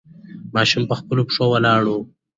ماشوم په خپلو پښو ولاړ و.